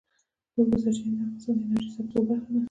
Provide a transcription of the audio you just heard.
د اوبو سرچینې د افغانستان د انرژۍ سکتور برخه ده.